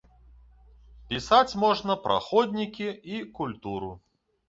Пісаць можна пра ходнікі і культуру.